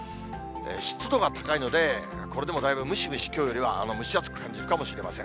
湿度が高いので、これでもだいぶムシムシ、きょうよりは蒸し暑く感じるかもしれません。